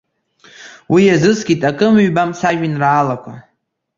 Уи иазыскит акым-ҩбам сажәеинраалақәа.